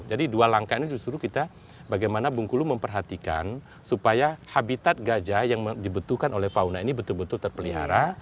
jadi dua langkah ini justru kita bagaimana bung kulu memperhatikan supaya habitat gajah yang dibutuhkan oleh fauna ini betul betul terpelihara